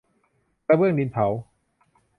กระเบื้องดินเผา